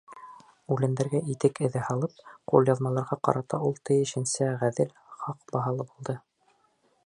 Үләндәргә итек эҙе һалып, Ҡулъяҙмаларға ҡарата ул тейешенсә ғәҙел, хаҡ баһалы булды.